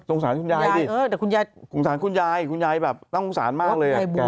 สงสารคุณยายดิสงสารคุณยายคุณยายแบบต้องสงสารมากเลย